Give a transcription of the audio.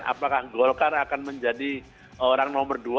apakah golkar akan menjadi orang nomor dua